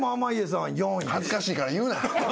恥ずかしいから言うな。